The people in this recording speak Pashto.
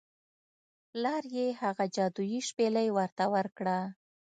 پلار یې هغه جادويي شپیلۍ ورته ورکړه.